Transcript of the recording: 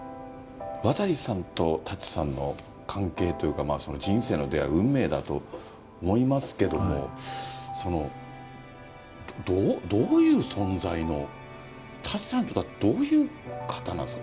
渡さんと舘さんの関係というか、人生の出会い、運命だと思いますけども、どういう存在の、舘さんにとってはどういう方なんですか？